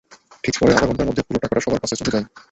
ঠিক পরের আধা ঘণ্টার মধ্যে পুরো টাকাটা সবার কাছে চলে যায়।